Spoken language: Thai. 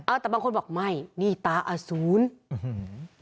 แต่บางคนบอกไม่นี่ตาอสูรอื้อหือ